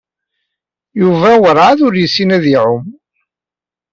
Yuba werɛad ur yessin ad iɛum.